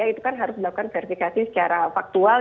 itu kan harus dilakukan verifikasi secara faktual